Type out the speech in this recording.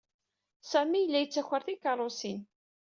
Sami yella yettaker tikeṛṛusin.